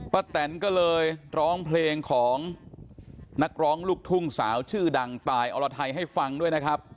แตนก็เลยร้องเพลงของนักร้องลูกทุ่งสาวชื่อดังตายอรไทยให้ฟังด้วยนะครับ